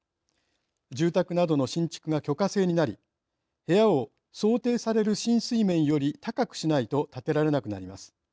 住宅などの新築が許可制になり部屋を想定される浸水面より高くしないと建てられなくなります。